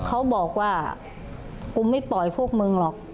เขาบอกว่ากูไม่ปล่อยพวกมึงหรอก